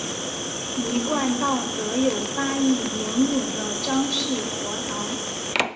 一贯道则有发一灵隐的张氏佛堂。